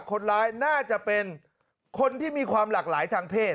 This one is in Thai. คนร้ายน่าจะเป็นคนที่มีความหลากหลายทางเพศ